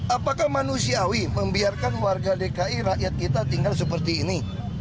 apakah manusiawi membiarkan warga dki rakyat kita tinggal seperti ini